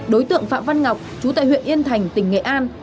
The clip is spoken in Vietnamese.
đối tượng phạm văn ngọc chú tại huyện yên thành tỉnh nghệ an